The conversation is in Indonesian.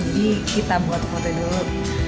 jadi kita buat foto dulu